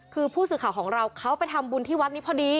คือผู้สื่อข่าวของเราเขาไปทำบุญที่วัดนี้พอดี